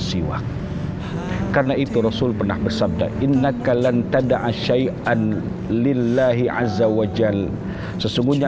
siwak karena itu rasul pernah bersabda inna kallan tada'a syai'an lillahi azzawajal sesungguhnya